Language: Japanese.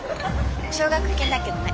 奨学金だけどね。